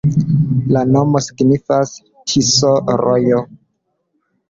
La nomo signifas: Tiso-rojo.